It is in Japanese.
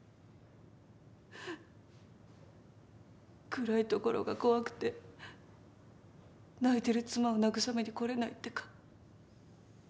暗い所が怖くて泣いてる妻を慰めに来れないってか。